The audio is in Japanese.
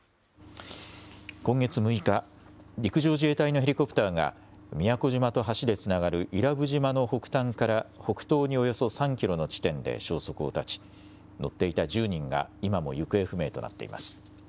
今月６日、陸上自衛隊のヘリコプターが、宮古島と橋でつながる伊良部島の北端から北東におよそ３キロの地点で消息を絶ち、乗っていた１０人が今も行方不明となっています。